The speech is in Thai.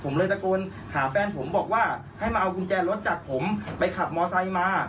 ผมเลยตะโกนหาแฟนผมบอกว่าให้มาเอากุญแจรถจากผมไปขับมอไซค์มา